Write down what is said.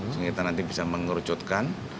jadi kita nanti bisa mengerucutkan